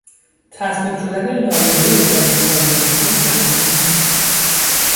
تصویب شدن لایحهی جدید مالیاتی معلوم نیست.